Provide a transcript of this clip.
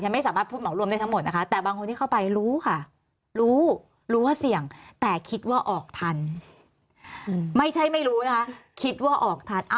ไม่ใช่ไม่รู้นะครับคิดว่าออกทัน